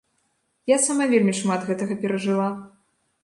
Я сама вельмі шмат гэтага перажыла.